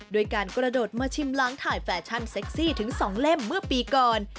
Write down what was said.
ด้วยการกระโดดมาชิมล้างถ่ายแฟชั่นเซ็กซี่ถึง๒เล่มเมื่อปีก่อน